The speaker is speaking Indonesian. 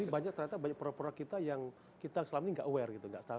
banyak ternyata banyak produk produk kita yang kita selama ini nggak aware gitu